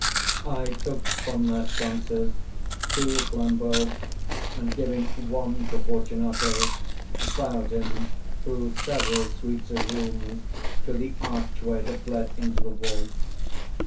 I took from their sconces two flambeaux, and giving one to Fortunato, bowed him through several suites of rooms to the archway that led into the vaults.